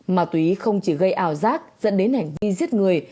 ma túy không chỉ gây ảo giác dẫn đến hành vi giết người